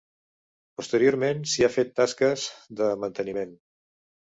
Posteriorment s'hi ha fet tasques de manteniment.